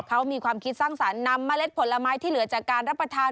เขามีความคิดสร้างสรรค์นำเมล็ดผลไม้ที่เหลือจากการรับประทาน